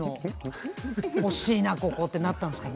惜しいな、ここってなったんですかね。